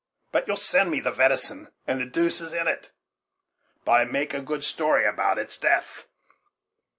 But you'll send me the venison; and the deuce is in it, but I make a good story about its death."